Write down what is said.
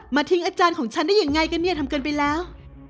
ทิ้งอาจารย์ของฉันได้ยังไงกันเนี่ยทำกันไปแล้ว